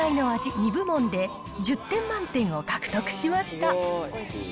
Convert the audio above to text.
２部門で１０点満点を獲得しました。